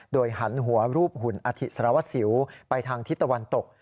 หันหัวรูปหุ่นอธิสารวัสสิวไปทางทิศตะวันตก